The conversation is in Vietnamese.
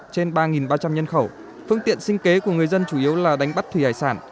trên ba ba trăm linh nhân khẩu phương tiện sinh kế của người dân chủ yếu là đánh bắt thủy hải sản